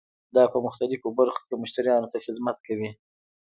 دا په مختلفو برخو کې مشتریانو ته خدمت کوي.